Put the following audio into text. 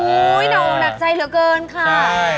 น้องหนักใจเหลือเกินค่ะ